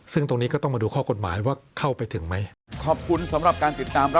ซึ่งตรงนี้ก็ต้องมาดูข้อกฎหมายว่าเข้าไปถึงไหม